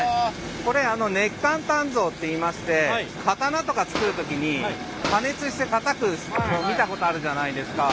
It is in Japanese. これ熱間鍛造っていいまして刀とか作る時に加熱してたたくの見たことあるじゃないですか。